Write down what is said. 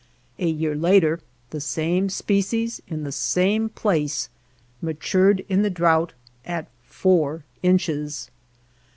A I year later the same species in the same / place matured in the drought at four / inches.